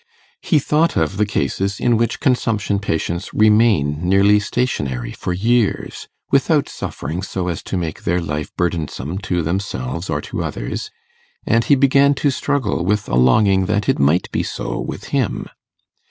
He thought of the cases in which consumption patients remain nearly stationary for years, without suffering so as to make their life burdensome to themselves or to others; and he began to struggle with a longing that it might be so with him.